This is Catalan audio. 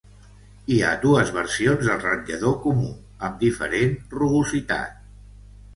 Hi ha dues versions del ratllador comú amb diferent rugositat.